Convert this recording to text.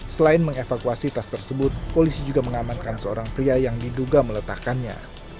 selain mengevakuasi tas tersebut polisi juga mengamankan seorang pria yang diduga meletakkannya